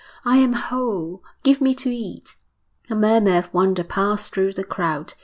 'I am whole; give me to eat!' A murmur of wonder passed through the crowd.